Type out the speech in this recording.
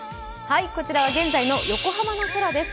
こちらは現在の横浜の空です。